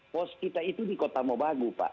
pos kita itu di kota mobagu pak